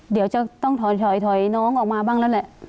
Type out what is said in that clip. เดี๋ยวจะต้องถอยน้องออกมาบ้างแล้วแหละ